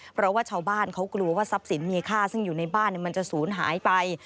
เพราะว่าชาวบ้านเขากลัวว่าทรัพย์สินมีค่าซึ่งอยู่ในบ้านมันจะศูนย์หายไป